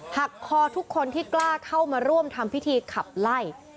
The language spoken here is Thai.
หักคอทุกคนที่กล้าเข้ามาร่วมทำพิธีขับไล่